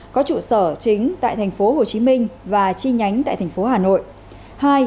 có trụ sở chính tại tp hồ chí minh và chi nhánh tại tp hà nội